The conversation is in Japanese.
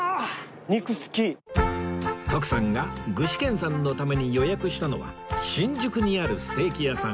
徳さんが具志堅さんのために予約したのは新宿にあるステーキ屋さん